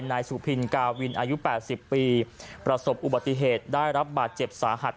นายสุพินกาวินอายุ๘๐ปีประสบอุบัติเหตุได้รับบาดเจ็บสาหัส